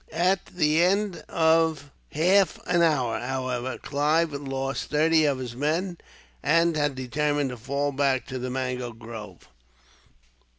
At the end of half an hour, however, Clive had lost thirty of his men, and determined to fall back to the mango grove.